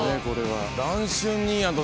談春兄やんと